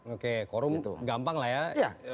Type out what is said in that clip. oke quorum tuh gampang lah ya